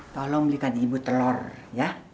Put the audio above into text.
tolong belikan ibu telur ya